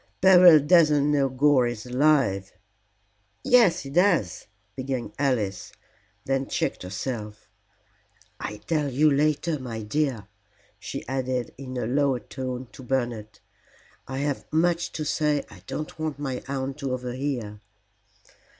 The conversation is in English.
"Beryl doesn't know Gore is alive." "Yes, he does," began Alice, then checked herself. "I'll tell you later, my dear," she added in a lower tone to Bernard. "I have much to say I don't want my aunt to overhear."